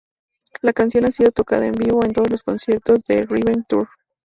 La canción ha sido tocada en vivo en todos los conciertos del "Revenge Tour".